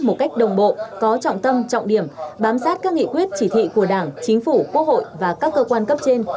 một cách đồng bộ có trọng tâm trọng điểm bám sát các nghị quyết chỉ thị của đảng chính phủ quốc hội và các cơ quan cấp trên